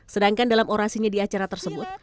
sedangkan dalam orasinya di acara tersebut